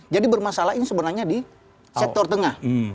jadi bermasalah ini sebenarnya di sektor tengah